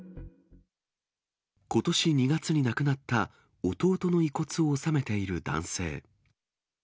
ことし２月に亡くなった弟の遺骨を納めている男性。